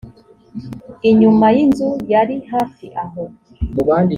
inyuma y inzu yari hafi aho